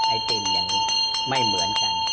ไอติมอย่างนี้ไม่เหมือนกัน